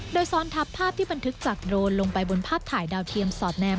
โดยซ้อนทับภาพที่บันทึกจากโดรนลงไปบนภาพถ่ายดาวเทียมสอดแนม